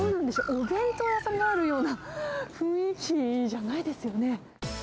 お弁当屋さんがあるような雰囲気じゃないですよね。